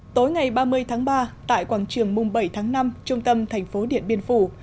tối ngày ba mươi tháng ba tại quảng trường mùng bảy tháng năm trung tâm thành phố điện biên phủ